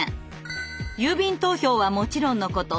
郵便投票はもちろんのこと